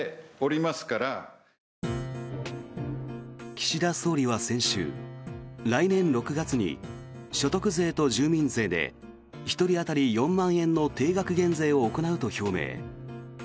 岸田総理は先週来年６月に所得税と住民税で１人当たり４万円の定額減税を行うと表明。